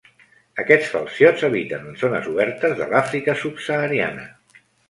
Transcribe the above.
Aquests falciots habiten en zones obertes de l'Àfrica subsahariana.